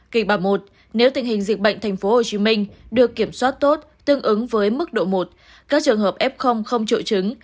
kịch bản một nếu tình hình dịch bệnh tp hcm được kiểm soát tốt tương ứng với mức độ một các trường hợp f không trội chứng